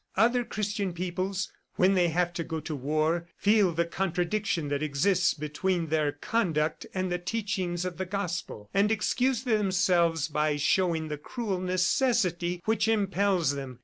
Other Christian peoples, when they have to go to war, feel the contradiction that exists between their conduct and the teachings of the Gospel, and excuse themselves by showing the cruel necessity which impels them.